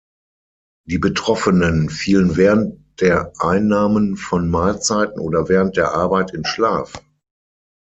Die Betroffenen fielen während der Einnahmen von Mahlzeiten oder während der Arbeit in Schlaf.